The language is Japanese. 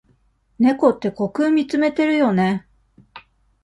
猫って虚空みつめてるよね。